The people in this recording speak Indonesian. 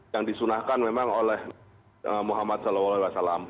yang disunahkan memang oleh muhammad saw